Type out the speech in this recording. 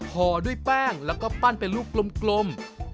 ห่อด้วยแป้งแล้วก็ปั้นเป็นลูกกลม